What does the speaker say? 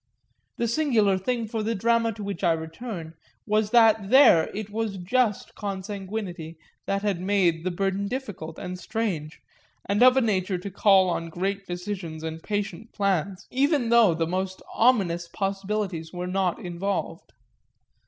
The singular thing for the drama to which I return was that there it was just consanguinity that had made the burden difficult and strange and of a nature to call on great decisions and patient plans, even though the most ominous possibilities were not involved.